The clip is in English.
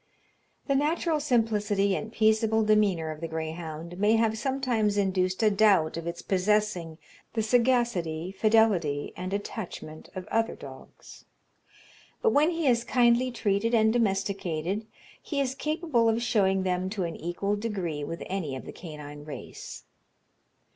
The natural simplicity and peaceable demeanour of the greyhound may have sometimes induced a doubt of its possessing the sagacity, fidelity, and attachment of other dogs; but when he is kindly treated and domesticated, he is capable of showing them to an equal degree with any of the canine race.